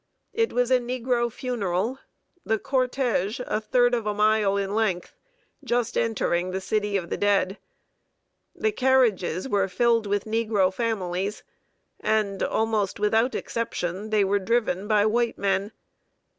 It was a negro funeral the cortège, a third of a mile in length, just entering that city of the dead. The carriages were filled with negro families, and, almost without exception, they were driven by white men.